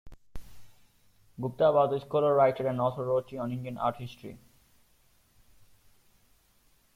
Gupta was a scholar, writer and an authority on Indian art history.